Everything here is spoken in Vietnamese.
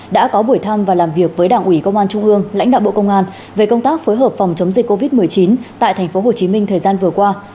đã có buổi thăm và làm việc với đảng ủy công an trung ương lãnh đạo bộ công an về công tác phối hợp phòng chống dịch covid một mươi chín tại tp hcm thời gian vừa qua